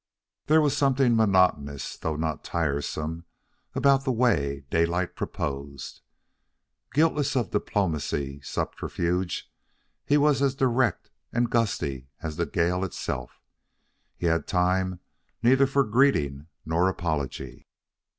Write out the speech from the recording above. There was something monotonous, though not tiresome, about the way Daylight proposed. Guiltless of diplomacy subterfuge, he was as direct and gusty as the gale itself. He had time neither for greeting nor apology.